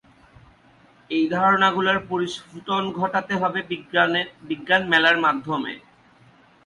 এই ধারণাগুলাের পরিস্ফুটন ঘটাতে হবে বিজ্ঞান মেলার মাধ্যমে।